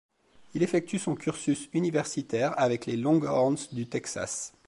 Il effectue son cursus universitaire avec les Longhorns du Texas.